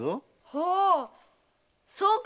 ほうそうか。